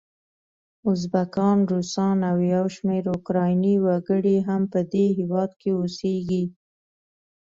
ازبکان، روسان او یو شمېر اوکرایني وګړي هم په دې هیواد کې اوسیږي.